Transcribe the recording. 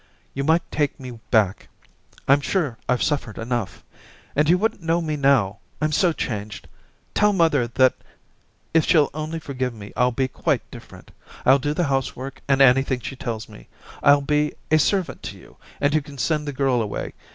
You might take me back : I'm sure I've suffered enough^ and you wouldn't know me now, Tm so changed Tell mother that if she'll only forgive me I'll be quite different. I'll do the housework and anything she tells me. I'll be a servant Daisy 241 to you, and you can send the girl away.